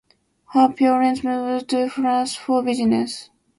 Her parents moved to France for business.